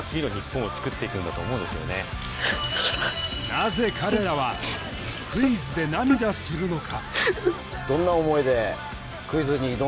なぜ彼らはクイズで涙するのか？